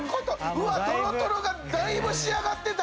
うわっとろとろがだいぶ仕上がってた！